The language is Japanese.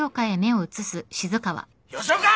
吉岡！